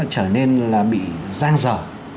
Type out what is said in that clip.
trở nên là bị giang dở